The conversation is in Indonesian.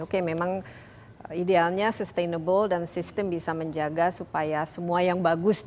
oke memang idealnya sustainable dan sistem bisa menjaga supaya semua yang bagus